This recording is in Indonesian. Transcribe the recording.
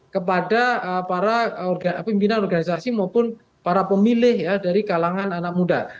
kepada para pimpinan organisasi maupun para pemilih ya dari kalangan anak muda